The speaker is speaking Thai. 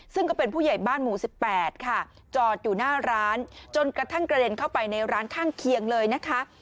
ซึ่งก็เป็นผู้ใหญ่บ้านหมู่๑๘ค่ะจอดอยู่หน้าร้านจนกระทั่งกระเด็นเข้าไปในร้านข้างเคียงเลยนะคะ